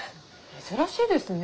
珍しいですね。